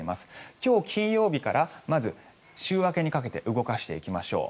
今日金曜日からまず週明けにかけて動かしていきましょう。